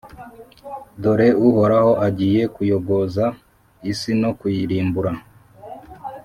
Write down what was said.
Dore Uhoraho agiye kuyogoza isi no kuyirimbura,